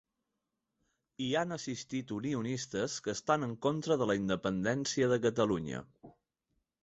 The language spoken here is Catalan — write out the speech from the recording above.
Hi han assistit unionistes que estan en contra de la independència de Catalunya.